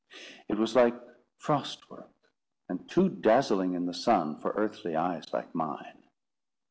It was like frost work, and too dazzling, in the sun, for earthly eyes like mine.